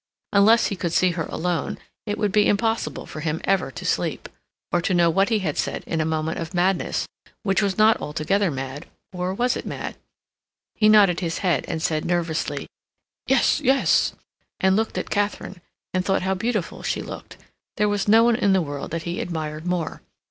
Unless he could see her alone, it would be impossible for him ever to sleep, or to know what he had said in a moment of madness, which was not altogether mad, or was it mad? He nodded his head, and said, nervously, "Yes, yes," and looked at Katharine, and thought how beautiful she looked; there was no one in the world that he admired more.